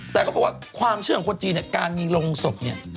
แต่เขาบอกว่าความเชื่อของคนจีนเนี่ยการมีโรงศพเนี่ย